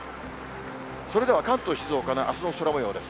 それでは関東、静岡のあすの空もようです。